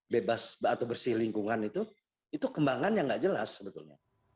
bebas atau bersih lingkungan itu itu kembangan yang nggak jelas sebetulnya